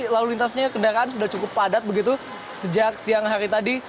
lalu lintasnya kendaraan sudah cukup padat begitu sejak siang hari tadi